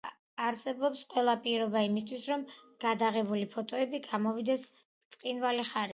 არსებობს ყველა პირობა იმისათვის, რომ გადაღებული ფოტოები გამოვიდეს ბრწყინვალე ხარისხის.